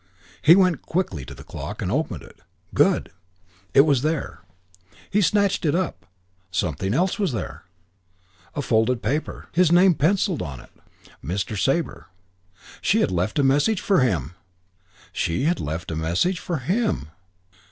He went quickly to the clock and opened it. Good! It was there. He snatched it up. Something else there. A folded paper. His name pencilled on it: Mr. Sabre. She had left a message for him! She had left a message for him!